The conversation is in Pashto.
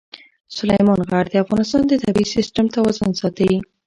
سلیمان غر د افغانستان د طبعي سیسټم توازن ساتي.